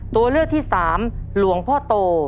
ตัวเลือกที่สามหลวงพ่อโต